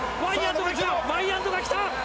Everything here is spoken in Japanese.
ワイヤントが来た！